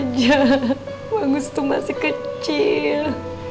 bisa aja bang gustu masih kecil